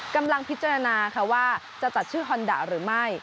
กำลังพิจารณาค่ะว่าจะจัดชื่อฮอนดาหรือไม่